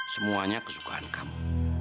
semuanya kesukaan kamu